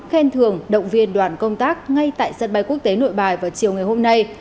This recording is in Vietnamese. khen thường động viên đoàn công tác ngay tại sân bay quốc tế nội bài vào chiều ngày hôm nay